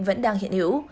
vẫn đang hiện hữu